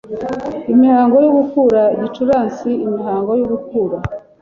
imihango yo gukura gicurasi imihango yo gukura